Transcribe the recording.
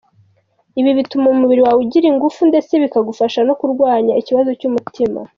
Ibi bituma umubiri wawe ugira ingufu ndetse bikagufasha no kurwanya ikibazo cy’umutima.